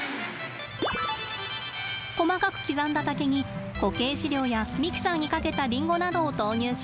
細かく刻んだ竹に固形飼料やミキサーにかけたリンゴなどを投入します。